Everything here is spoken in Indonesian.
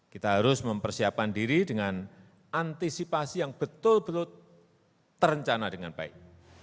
kita harus mempersiapkan diri dengan antisipasi yang betul betul terencana dengan baik